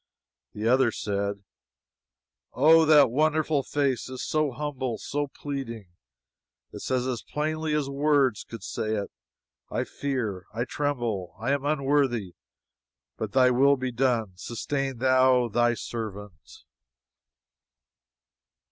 The other said: "Ah, that wonderful face is so humble, so pleading it says as plainly as words could say it: 'I fear; I tremble; I am unworthy. But Thy will be done; sustain Thou Thy servant!'"